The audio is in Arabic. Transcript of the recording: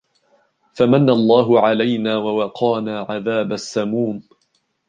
فَمَنَّ اللَّهُ عَلَيْنَا وَوَقَانَا عَذَابَ السَّمُومِ